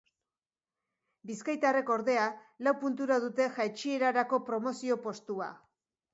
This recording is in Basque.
Bizkaitarrek, ordea, lau puntura dute jaitsierarako promozio postua.